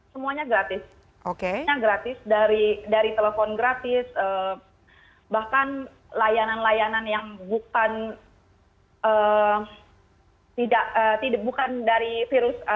semuanya gratis yang gratis dari telepon gratis bahkan layanan layanan yang bukan dari virus